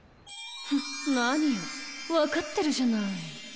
ふっ何よ分かってるじゃない。